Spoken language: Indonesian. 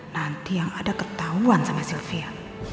nanti yang ada ketahuan sama sylvia